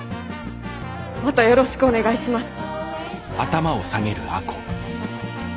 またよろしくお願いします。